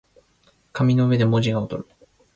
紙の上で文字が躍る